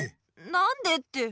なんでって。